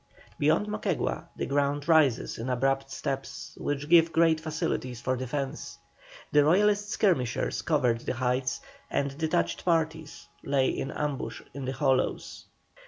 Beyond Moquegua the ground rises in abrupt steps which give great facilities for defence. The Royalist skirmishers covered the heights, and detached parties lay in ambush in the hollows.